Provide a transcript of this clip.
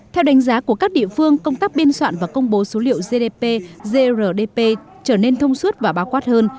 theo đánh giá của các địa phương công tác biên soạn và công bố số liệu gdp grdp trở nên thông suốt và bao quát hơn